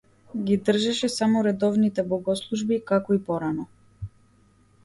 Ги држеше само редовните богослужби, како и порано.